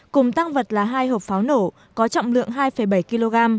cùng tăng vật là hai hộp pháo nổ có trọng lượng hai bảy kg